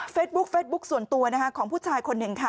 เฟซบุ๊กส่วนตัวของผู้ชายคนหนึ่งค่ะ